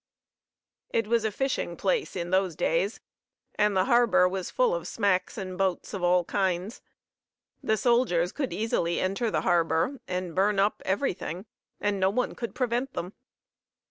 It was a fishing place in those days, and the harbor was full of smacks and boats of all kinds. The soldiers could easily enter the harbor and burn up, everything, and no one could prevent them.